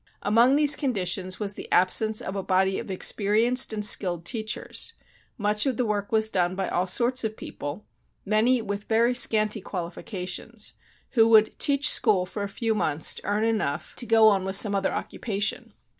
Among these conditions was the absence of a body of experienced and skilled teachers; much of the work was done by all sorts of people, many with very scanty qualifications, who would 'teach school' for a few months to earn enough to go on with some other occupation.